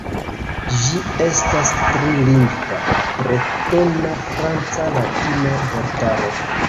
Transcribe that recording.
Ĝi estas tri-lingva, bretona-franca-latina vortaro.